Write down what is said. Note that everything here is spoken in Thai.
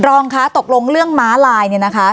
รองค่ะตกลงเรื่องม้าลาย